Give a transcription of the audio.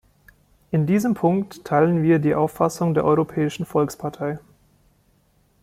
In diesem Punkt teilen wir die Auffassung der Europäischen Volkspartei.